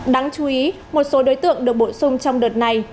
đáng chú ý một số đối tượng được bổ sung trong đợt này